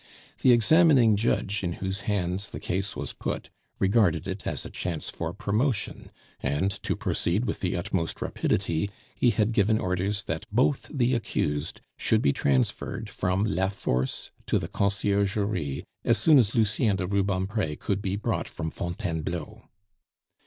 The examining judge in whose hands the case was put regarded it as a chance for promotion; and, to proceed with the utmost rapidity, he had given orders that both the accused should be transferred from La Force to the Conciergerie as soon as Lucien de Rubempre could be brought from Fontainebleau.